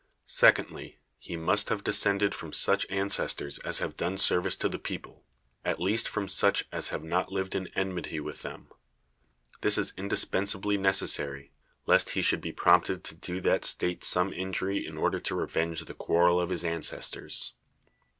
Secondh", he must be descended from such ancestors as have done service to the people, at least from such as have not lived in enmaty with them ; this is indis pensably necessary, lest he should be prompted to do the state some injury in order to revenge the quarrel of his ancestors.